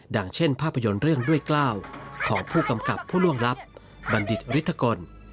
อย่างเช่นภาพยนตร์เรื่องด้วยกล้าวของผู้กำกับผู้ล่วงลับบัณฑิตฤทธกล